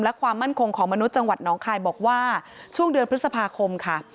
และความมั่นคงของมนุษย์จังหวัดน้องคายบอกว่าช่วงเดือนพฤษภาคมค่ะ